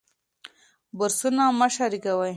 برسونه مه شریکوئ.